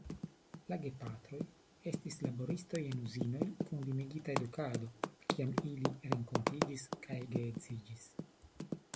La gepatroj estis laboristoj en uzinoj kun limigita edukado, kiam ili renkontiĝis kaj geedziĝis.